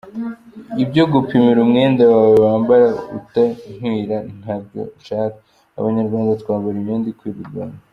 Ibyo kumpimira umwenda wawe wambara utankwira ntabyonshaka… Abanyarwanda twambara imyenda ikwira u Rwanda.